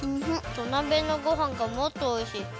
土鍋のごはんがもっとおいしい。